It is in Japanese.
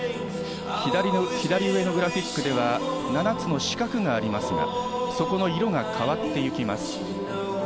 左上のグラフィックでは、７つの四角がありますが、そこの色が変わっていきます。